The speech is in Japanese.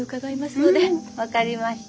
うん分かりました。